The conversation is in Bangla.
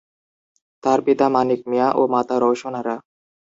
তার পিতা মানিক মিয়া ও মাতা রওশন আরা।